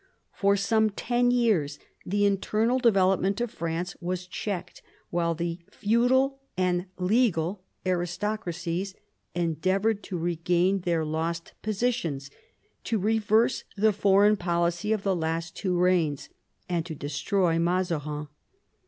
For some ten years the internal development of France was checked, while the feudal and legal aristocracies endeavoured to regain their lost positions, to reverse the foreign policy of the last two reigns, and to destroy Mazarin.